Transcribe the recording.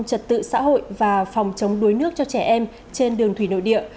trật tự xã hội và phòng chống đuối nước cho trẻ em trên đường thủy nội địa